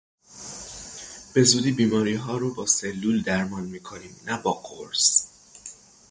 به زودی بیماریها رو با سلول درمان میکنیم، نه با قرص!